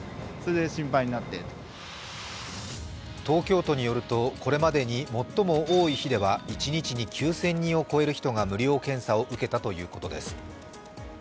東京都によるとこれまでに最も多い日では１日に９０００人を超える人が無料検査を受けたということです。